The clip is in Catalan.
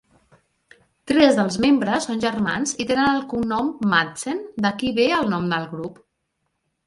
Tres dels membres són germans i tenen el cognom Madsen, d'aquí ve el nom del grup.